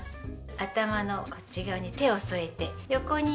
頭のこっち側に手を添えて横にいきます。